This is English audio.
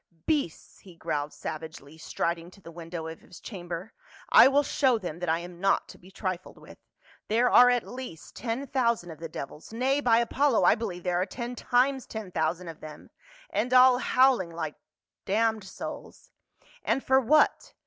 " Beasts !" he growled savagely, striding to the win dow of his chamber, " I will show them that I am not to be trifled with. There are at the least ten thousand of the devils — Nay, by Apollo, I believe there are ten times ten thousand of them, and all howling like damned souls. And for what